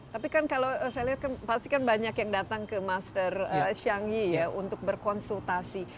tapi kan kalau saya lihat kan pasti kan banyak yang datang ke master xiang yi ya untuk berkonsultasi